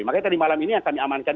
makanya tadi malam ini yang kami amankan